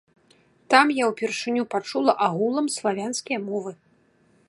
Там я ўпершыню пачула агулам славянскія мовы.